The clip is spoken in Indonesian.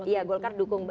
iya golkar dukung